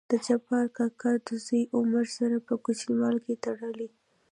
دجبار کاکا دزوى عمر سره په کوچينوالي کې تړلى.